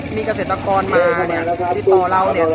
สวัสดีครับทุกคนวันนี้เกิดขึ้นทุกวันนี้นะครับ